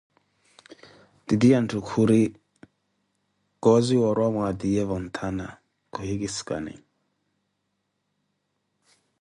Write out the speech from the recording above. Titiyunthu khuri, kosiwa oriwa mwatiyevo ntana khuhikussani.